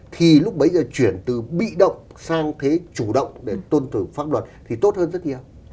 thì lúc bấy giờ chuyển từ bị động sang thế chủ động để tôn thủ pháp luật thì tốt hơn rất nhiều